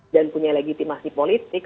dan punya legitimasi politik